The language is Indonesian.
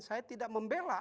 saya tidak membela